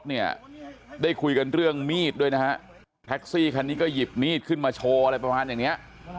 ได้คุยกันเรื่องมีดแท็กซี่คันนี้ก็หยิบมีดขึ้นมาโชว์ประมาณแบบนี้